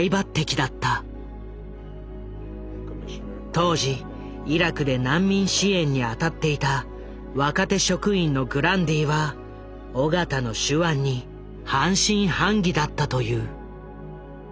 当時イラクで難民支援に当たっていた若手職員のグランディは緒方の手腕に半信半疑だったという。